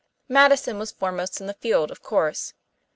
Madison was foremost in the field, of course.